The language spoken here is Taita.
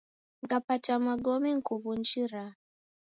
Nkapata magome nukuw'unjira.